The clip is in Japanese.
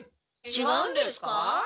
ちがうんですか？